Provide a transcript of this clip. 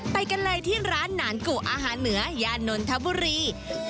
ไปกันเลยที่ร้านหนานกุอาหารเหนือย่านนทบุรี